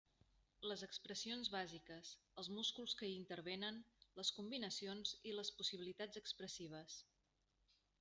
Les expressions bàsiques, els músculs que hi intervenen, les combinacions i les possibilitats expressives.